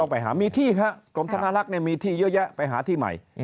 ไปหามีที่ครับกรมธนาลักษณ์มีที่เยอะแยะไปหาที่ใหม่